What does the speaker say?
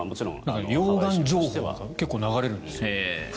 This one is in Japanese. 溶岩情報が結構流れるんですよ。